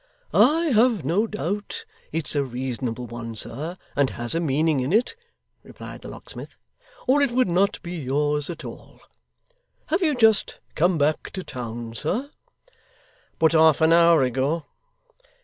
'I have no doubt it's a reasonable one, sir, and has a meaning in it,' replied the locksmith; 'or it would not be yours at all. Have you just come back to town, sir?' 'But half an hour ago.